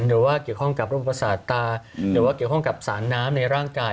หรือว่าเกี่ยวข้องกับโรคประสาทตาหรือว่าเกี่ยวข้องกับสารน้ำในร่างกาย